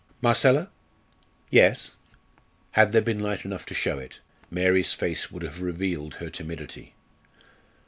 Marcella!" "Yes." Had there been light enough to show it, Mary's face would have revealed her timidity.